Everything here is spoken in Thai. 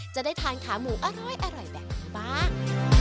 จะได้ทานขาหมูอร่อยแบบนี้บ้าง